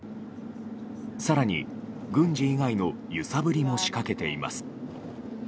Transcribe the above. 更に、軍事以外の揺さぶりも仕掛けています。